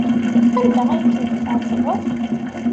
Anda ay tent-tɛettbeḍ?